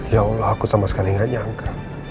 ya allah aku sama sekali gak nyangka